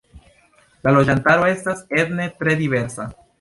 La loĝantaro estas etne tre diversa.